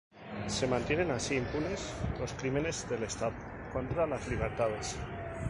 Se mantienen así impunes los crímenes del Estado contra las libertades.